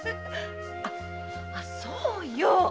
あそうよ！